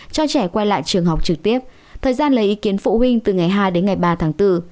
cho trẻ quay lại trường học trực tiếp thời gian lấy ý kiến phụ huynh từ ngày hai đến ngày ba tháng bốn